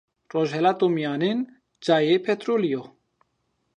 Rojhelato Mîyanên cayê petrolî yo